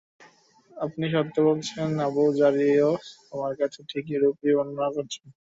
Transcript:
আপনি সত্য বলেছেন, আবু জারীও আমার কাছে ঠিক এরূপই বর্ণনা করেছেন।